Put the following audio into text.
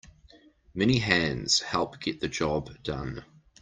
Many hands help get the job done.